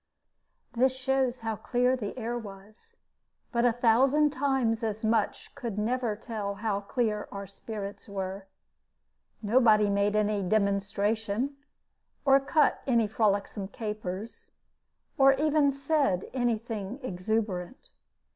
This shows how clear the air was; but a thousand times as much could never tell how clear our spirits were. Nobody made any "demonstration," or cut any frolicsome capers, or even said any thing exuberant.